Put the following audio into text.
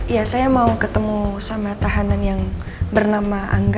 ya saya mau ketemu sama tahanan yang bernama angga